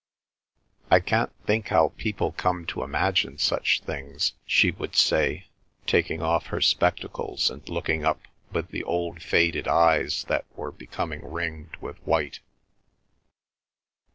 "I can't think how people come to imagine such things," she would say, taking off her spectacles and looking up with the old faded eyes, that were becoming ringed with white.